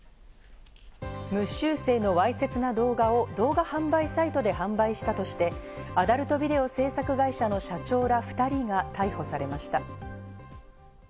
無修正のわいせつな動画を動画販売サイトで販売したとして、アダルトビデオ制作会社の社長ら２人が逮捕されました。